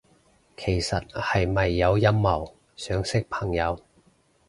其實係咪有陰謀，想識朋友？